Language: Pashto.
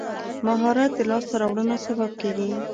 مهارت د لاسته راوړنو سبب کېږي.